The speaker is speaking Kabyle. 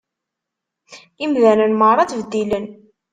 Imdanen meṛṛa ttbeddilen.